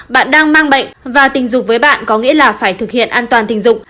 bạn đang mang bệnh và tình dục với bạn có nghĩa là phải thực hiện an toàn tình dục